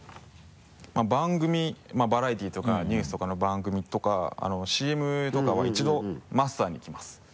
番組バラエティーとかニュースとかの番組とかＣＭとかは一度マスターに来ます。